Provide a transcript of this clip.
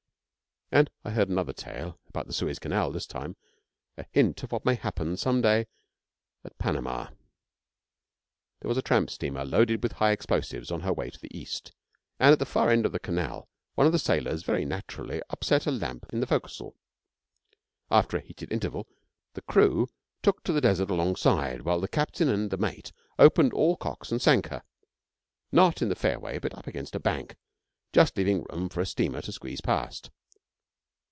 And I heard another tale about the Suez Canal this time a hint of what may happen some day at Panama. There was a tramp steamer, loaded with high explosives, on her way to the East, and at the far end of the Canal one of the sailors very naturally upset a lamp in the fo'c'sle. After a heated interval the crew took to the desert alongside, while the captain and the mate opened all cocks and sank her, not in the fairway but up against a bank, just leaving room for a steamer to squeeze past.